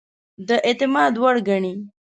د اعتماد وړ ګڼي.